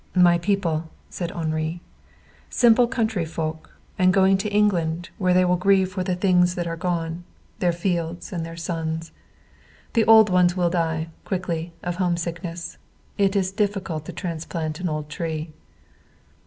"My people," said Henri. "Simple country folk, and going to England, where they will grieve for the things that are gone their fields and their sons. The old ones will die, quickly, of homesickness. It is difficult to transplant an old tree."